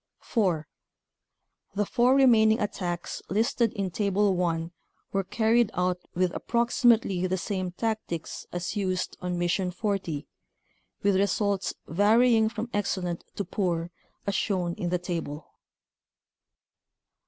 4. The four remaining attacks listed in Table 1 were carried out with approximately the same tactics as used on Mission 40, with results varying from excellent to poor as shown in the table.